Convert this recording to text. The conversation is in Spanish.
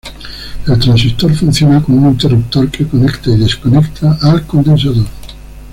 El transistor funciona como un interruptor que conecta y desconecta al condensador.